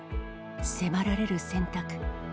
迫られる選択。